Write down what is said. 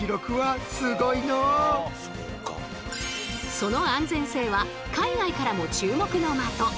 その安全性は海外からも注目の的！